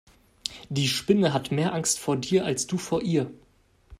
Die Spinne hat mehr Angst vor dir als du vor ihr.